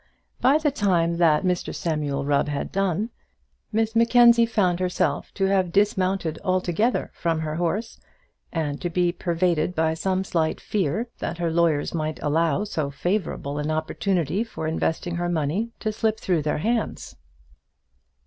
By the time that Mr Samuel Rubb had done, Miss Mackenzie found herself to have dismounted altogether from her horse, and to be pervaded by some slight fear that her lawyers might allow so favourable an opportunity for investing her money to slip through their hands.